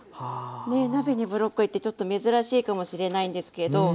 ねえ鍋にブロッコリーってちょっと珍しいかもしれないんですけど。